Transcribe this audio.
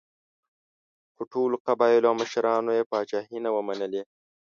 خو ټولو قبایلو او مشرانو یې پاچاهي نه وه منلې.